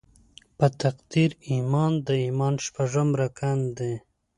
په تقدیر ایمان د ایمان شپږم رکن دې.